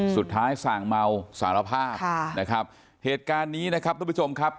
ส่างเมาสารภาพนะครับเหตุการณ์นี้นะครับทุกผู้ชมครับ